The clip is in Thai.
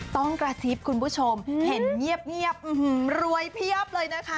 กระซิบคุณผู้ชมเห็นเงียบรวยเพียบเลยนะคะ